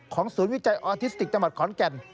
ศูนย์วิจัยออทิสติกจังหวัดขอนแก่น